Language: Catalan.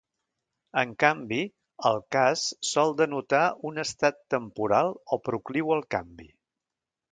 En canvi, el cas sol denotar un estat temporal o procliu al canvi.